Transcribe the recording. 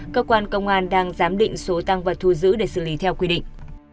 cơ quan công an đang giám định số tăng vật thu giữ để xử lý theo quy định